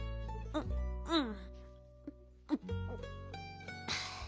ううん。